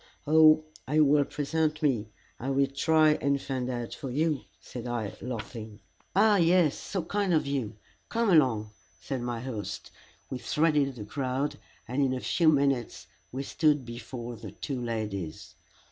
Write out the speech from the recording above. "Oh, if you will present me, I will try and find out for you," said I, laughing. "Ah, yes so kind of you come along," said my host. We threaded the crowd, and in a few minutes we stood before the two ladies.